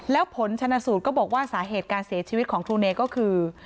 แล้วผลชนสูตรก็บอกว่าสาเหตุการเสียชีวิตของครูเนก็คือ